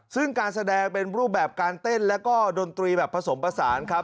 ซึ่งการแสดงเป็นรูปการเต้นและโดนตรีผสมประสาน